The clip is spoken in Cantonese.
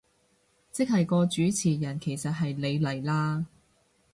即係個主持人其實係你嚟啦